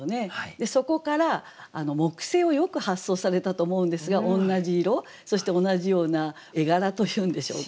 でそこから木星をよく発想されたと思うんですが同じ色そして同じような絵柄というんでしょうか。